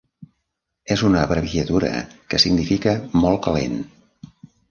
És una abreviatura que significa "molt calent".